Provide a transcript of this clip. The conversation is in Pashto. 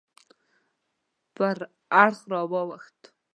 پر اړخ راواوښت.